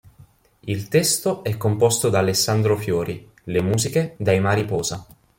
Il testo è composto da Alessandro Fiori, le musiche dai Mariposa.